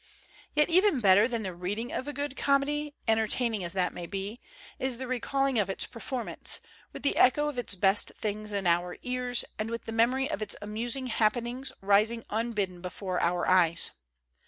Yet even better than the reading of a good comedy, en tertaining as that may be, is the recalling of its performance, with the echo of its best things in our ears and with the memory of its amusing happenings rising unbidden before our eyes.